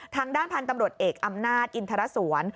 ทางด้านพันธุ์ตำรวจเอกอำนาจอินทรสวน